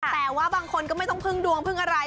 แต่ว่าบางคนก็ไม่ต้องพึ่งดวงพึ่งอะไร